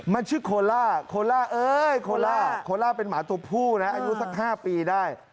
มันชื่อโคล่าโคล่าเอ้ยโคล่าโคล่าเป็นหมาตัวผู้นะอายุสัก๕ปีได้